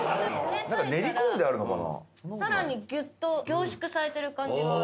さらにギュッと凝縮されてる感じがある。